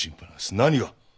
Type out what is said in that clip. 何が？